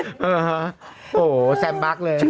โอ้โหแซมบัคเลย